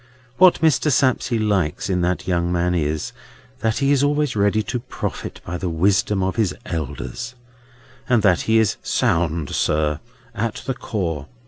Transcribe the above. What Mr. Sapsea likes in that young man is, that he is always ready to profit by the wisdom of his elders, and that he is sound, sir, at the core.